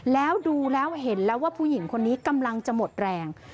แล้วดูแล้วเห็นแล้วว่าผู้หญิงคนนี้กำลังจะหมดแรง